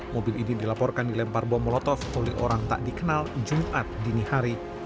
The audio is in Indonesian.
mobil ini dilaporkan dilempar bom molotov oleh orang tak dikenal jumat dini hari